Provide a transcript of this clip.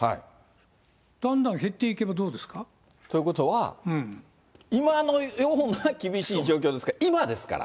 だんだん減っていけばどうですか？ということは、今のような厳しい状況ですから、今ですから。